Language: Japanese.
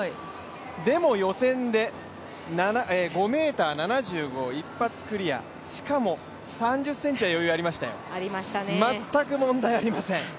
でも予選で５ｍ７５を一発クリア、しかも、３０ｃｍは余裕がありましたよ全く問題ありません。